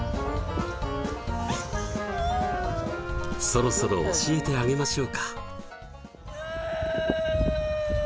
そろそろ教えてあげましょうか。